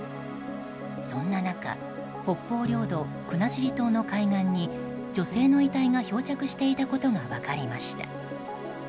そんな中、北方領土国後島の海岸に女性の遺体が漂着していたことが分かりました。